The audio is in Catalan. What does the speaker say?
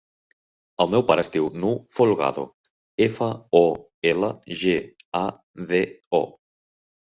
El meu pare es diu Nouh Folgado: efa, o, ela, ge, a, de, o.